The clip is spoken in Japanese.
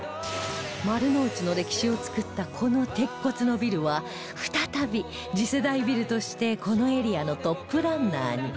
丸の内の歴史を作ったこの鉄骨のビルは再び次世代ビルとしてこのエリアのトップランナーに